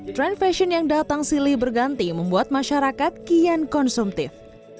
trend fashion yang datang silih berganti membuat masyarakat kian konsumtif